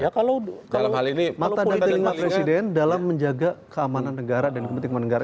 ya kalau kalau mata dan telinga presiden dalam menjaga keamanan negara dan kepentingan negara